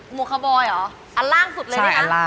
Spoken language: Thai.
หมวกปีกดีกว่าหมวกปีกดีกว่า